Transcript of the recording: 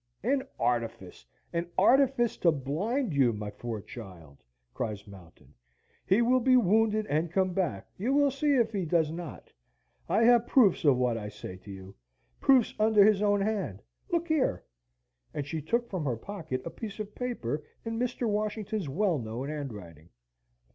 "An artifice! an artifice to blind you, my poor child!" cries Mountain. "He will be wounded and come back you will see if he does not. I have proofs of what I say to you proofs under his own hand look here!" And she took from her pocket a piece of paper in Mr. Washington's well known handwriting.